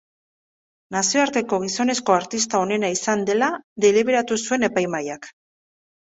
Nazioarteko gizonezko artista onena izan dela deliberatu zuen epaimahaiak.